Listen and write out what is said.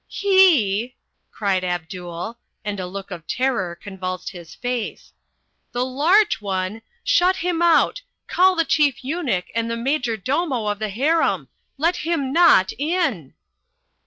"HE!" cried Abdul, and a look of terror convulsed his face. "The Large One! Shut him out! Call the Chief Eunuch and the Major Domo of the Harem! Let him not in!"